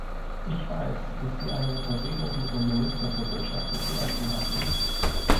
Ich weiß, dass Sie eine Unterredung mit dem Minister für Wirtschaft und Finanzen hatten.